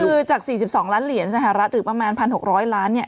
คือจาก๔๒ล้านเหรียญสหรัฐหรือประมาณ๑๖๐๐ล้านเนี่ย